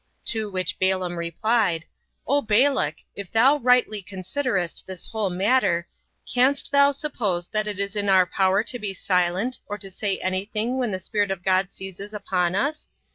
To which Balaam replied, "O Balak, if thou rightly considerest this whole matter, canst thou suppose that it is in our power to be silent, or to say any thing, when the Spirit of God seizes upon us?